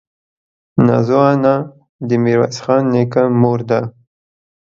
نازو انا دې ميرويس خان نيکه مور ده.